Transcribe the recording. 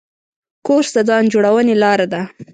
کورس د ځان جوړونې لاره ده.